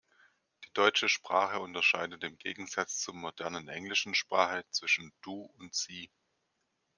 Die deutsche Sprache unterscheidet im Gegensatz zur modernen englischen Sprache zwischen "Du" und "Sie".